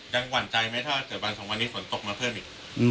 หวั่นใจไหมถ้าเกิดวันสองวันนี้ฝนตกมาเพิ่มอีก